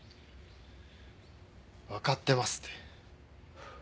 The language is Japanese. わかってますって。